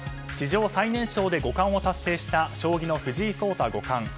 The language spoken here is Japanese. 史上最年少で五冠を達成した将棋の藤井聡太五冠。